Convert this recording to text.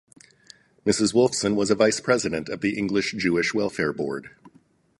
Mrs Wolfson was a Vice-President of the English Jewish Welfare Board.